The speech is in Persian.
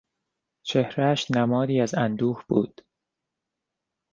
چهرهاش نمادی از اندوه بود.